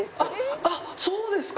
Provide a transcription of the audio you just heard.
あっそうですか！